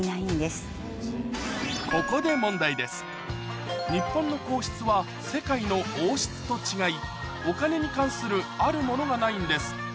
ここで日本の皇室は世界の王室と違いお金に関するあるものがないんです